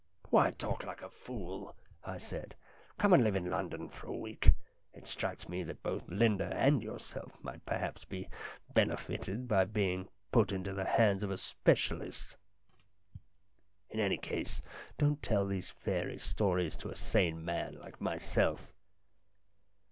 "Why talk like a fool?" I said. "Come and live in London for a week. It strikes me that both Linda and yourself might perhaps be bene fited by being put into the hands of a specialist. 288 STORIES IN GREY In any case, don't tell these fairy stories to a sane man like myself."